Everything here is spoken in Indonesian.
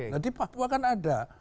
jadi papua kan ada